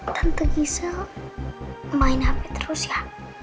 tante gisa main hp terus ya